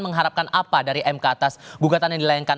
mengharapkan apa dari mk atas gugatan yang dilayangkan